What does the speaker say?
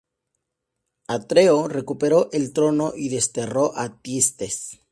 Atreo recuperó el trono y desterró a Tiestes.